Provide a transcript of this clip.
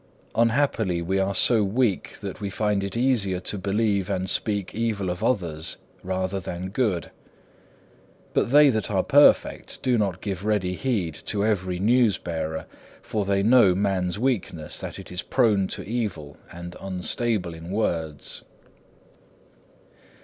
Unhappily we are so weak that we find it easier to believe and speak evil of others, rather than good. But they that are perfect, do not give ready heed to every news bearer, for they know man's weakness that it is prone to evil and unstable in words.